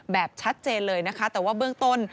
แบบชัดเจนเลยนะคะแต่ว่าเบื้องต้น